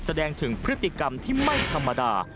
แสดงถึงพฤติกรรมที่ไม่ธรรมดา